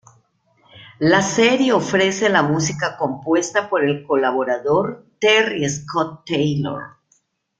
La serie ofrece la música compuesta por el colaborador Terry Scott Taylor.